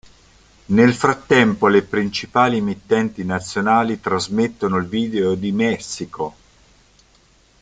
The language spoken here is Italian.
Nel frattempo le principali emittenti nazionali trasmettono il video di "Mexico".